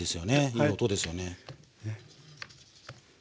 いい音ですよね。